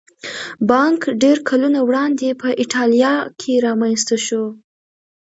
بانک ډېر کلونه وړاندې په ایټالیا کې رامنځته شو